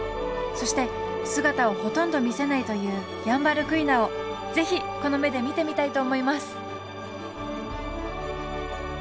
そして姿をほとんど見せないというヤンバルクイナを是非この目で見てみたいと思います！